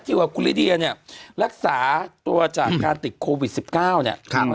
คือคือคือคือคือคือคือ